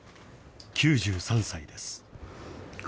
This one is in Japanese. ９３歳です。